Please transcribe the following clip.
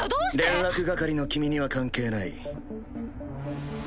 連絡係の君には関係ない。